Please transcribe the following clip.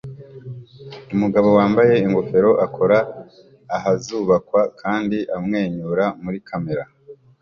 Umugabo wambaye ingofero akora ahazubakwa kandi amwenyura muri kamera